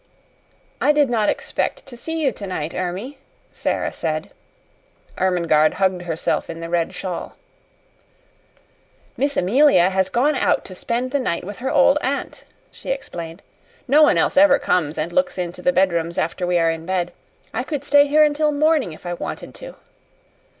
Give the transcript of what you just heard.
"I did not expect to see you tonight, Ermie," Sara said. Ermengarde hugged herself in the red shawl. "Miss Amelia has gone out to spend the night with her old aunt," she explained. "No one else ever comes and looks into the bedrooms after we are in bed. I could stay here until morning if I wanted to."